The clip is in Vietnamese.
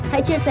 hãy chia sẻ